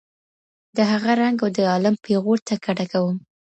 د هغه رنګ او د عالم پېغور ته کډه کوم